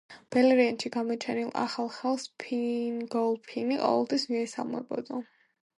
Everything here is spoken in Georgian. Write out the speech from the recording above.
ბელერიანდში გამოჩენილ ახალ ხალხს ფინგოლფინი ყოველთვის მიესალმებოდა.